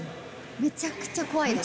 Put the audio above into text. めちゃくちゃ怖いです。